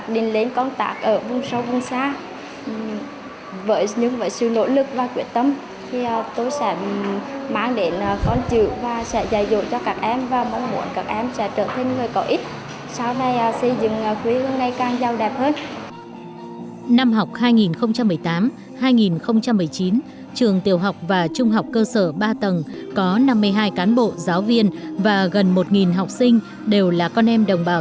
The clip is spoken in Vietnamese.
để đến được ngôi trường của mình cô giáo lê thị ái liên trường tiểu học và trung học cơ sở xã ba tầng huyện hướng hóa phải vượt qua quãng đường hơn năm mươi km gập gành đá sỏi chênh vanh sườn dốc